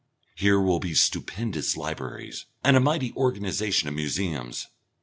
Here will be stupendous libraries, and a mighty organisation of museums.